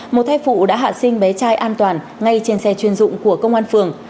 một thai phụ đã hạ sinh bé trai an toàn ngay trên xe chuyên dụng của công an phường